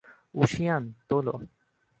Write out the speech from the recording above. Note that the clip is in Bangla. ঊশিয়ান, তোলো!